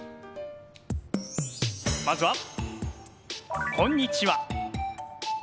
まずはこんにちは。